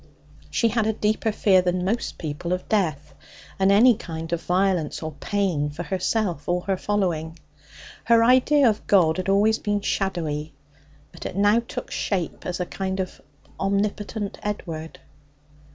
She had a deeper fear than most people of death and any kind of violence or pain for herself or her following. Her idea of God had always been shadowy, but it now took shape as a kind of omnipotent Edward.